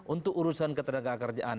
untuk urusan ketenaga kerjaan